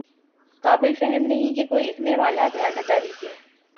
قابل فہم نہیں کہ کوئی لکھنے والا دیانت داری کے